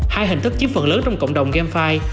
hai hình thức chiếm phần lớn trong cộng đồng game